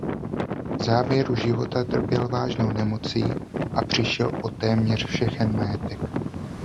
V závěru života trpěl vážnou nemocí a přišel o téměř všechen majetek.